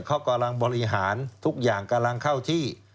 เขากำลังบริหารทุกอย่างกำลังเข้าที่